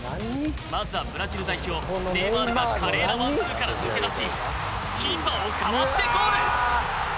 まずはブラジル代表ネイマールが華麗なワンツーから抜け出しキーパーをかわしてゴール。